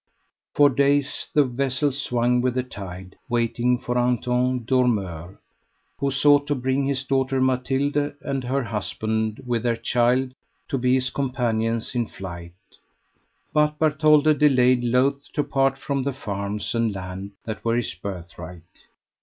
For days the vessel swung with the tide, waiting for Anton Dormeur, who sought to bring his daughter Mathilde and her husband, with their child, to be his companions in flight. But Bartholde delayed, loath to part from the farms and land that were his birthright.